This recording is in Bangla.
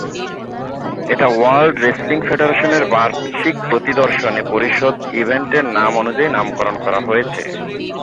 এটা ওয়ার্ল্ড রেসলিং ফেডারেশনের বার্ষিক প্রতি-দর্শনে-পরিশোধ ইভেন্টের নাম অনুযায়ী নামকরণ করা হয়েছে।